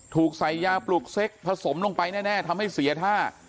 ถูกใส่ยาปลุกเซ็กผสมลงไปแน่ทำให้เสียท่า